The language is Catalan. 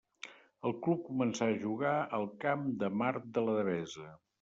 El club començà a jugar al Camp de Mart de la Devesa.